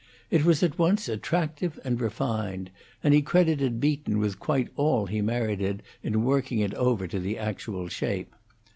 It was at once attractive and refined, and he credited Beaton with quite all he merited in working it over to the actual shape.